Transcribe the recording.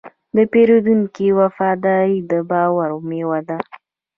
د پیرودونکي وفاداري د باور میوه ده.